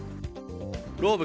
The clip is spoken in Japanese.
ローブ